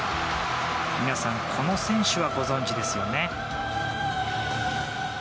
皆さん、この選手はご存じですよね。